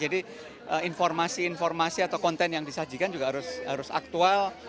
jadi informasi informasi atau konten yang disajikan juga harus aktual